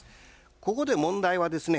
ここで問題はですね